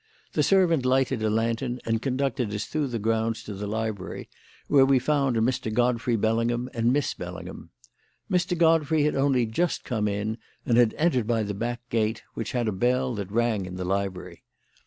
The servant lighted a lantern and conducted us through the grounds to the library, where we found Mr. Godfrey Bellingham and Miss Bellingham. Mr. Godfrey had only just come in and had entered by the back gate, which had a bell that rang in the library.